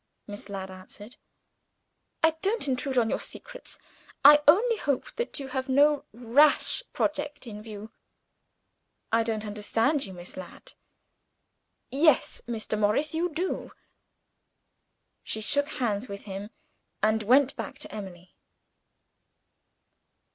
Miss Ladd answered. "I don't intrude on your secrets I only hope that you have no rash project in view." "I don't understand you, Miss Ladd." "Yes, Mr. Morris you do." She shook hands with him and went back to Emily.